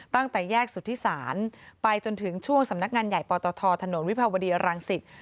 ตั้งแต่แยกสุธิศาลไปจนถึงช่วงสำนักงานใหญ่ปตทถนนวิภาวดีรังสิต